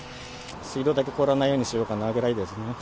水道だけ凍らないようにしようかなぐらいですね。